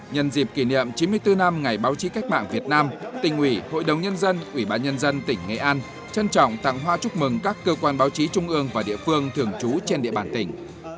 nhân dịp kỷ niệm chín mươi bốn năm ngày báo chí cách mạng việt nam tỉnh ủy hội đồng nhân dân ủy ban nhân dân tỉnh nghệ an trân trọng tặng hoa chúc mừng các cơ quan báo chí trung ương và địa phương thường trú trên địa bàn tỉnh